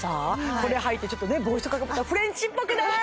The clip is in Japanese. これ履いてちょっと帽子とかかぶったらフレンチっぽくない？